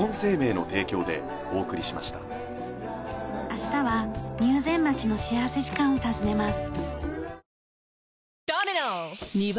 明日は入善町の幸福時間を訪ねます。